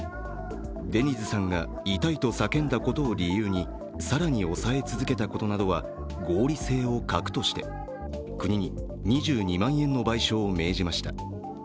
デニズさんが痛いと叫んだことを理由に更に押さえ続けたことなどは合理性を欠くとして国に２２万円の賠償を命じました。